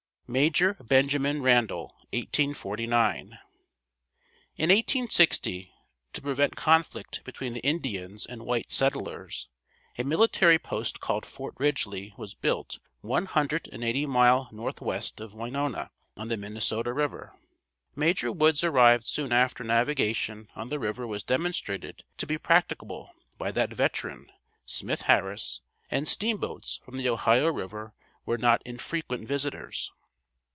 Major Benjamin Randall 1849. In 1860, to prevent conflict between the Indians and white settlers, a military post called Fort Ridgely was built one hundred and eighty mile northwest of Winona on the Minnesota River. Major Woods arrived soon after navigation on the river was demonstrated to be practicable by that veteran, Smith Harris and steamboats from the Ohio river were not infrequent visitors.